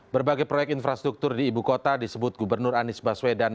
berbagai proyek infrastruktur di ibu kota disebut gubernur anies baswedan